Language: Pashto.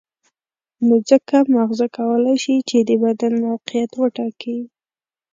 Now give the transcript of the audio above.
نو ځکه ماغزه کولای شي چې د بدن موقعیت وټاکي.